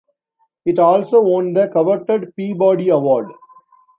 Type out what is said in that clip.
It also won the coveted Peabody Award.